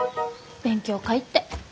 勉強会って。